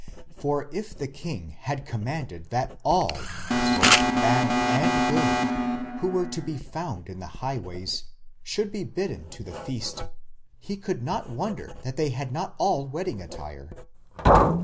For if the king had commanded that all, doth bad and good, who were to be found in the highways, should be bidden to the feast, he could not wonder that they had not all wedding attire.